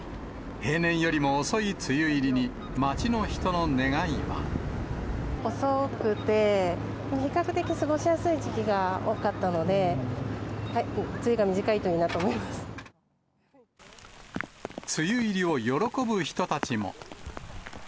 平年よりも遅い梅雨入りに、遅くて、比較的過ごしやすい時期が多かったので、梅雨入りを喜ぶ人たちも。